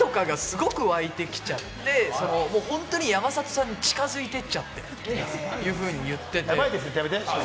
妬みとかがすごくわいてきちゃって、本当に山里さんに近づいてっちゃってるというふうに言ってたり。